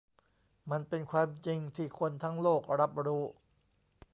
มันเป็นความจริงที่คนทั้งโลกรับรู้